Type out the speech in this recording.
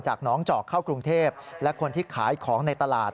น้องเจาะเข้ากรุงเทพและคนที่ขายของในตลาด